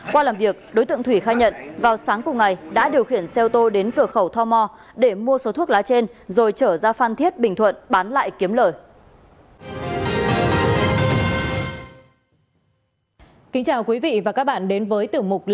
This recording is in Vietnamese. qua làm việc đối tượng thủy khai nhận vào sáng cùng ngày đã điều khiển xe ô tô đến cửa khẩu tho mo để mua số thuốc lá trên rồi trở ra phan thiết bình thuận bán lại kiếm lời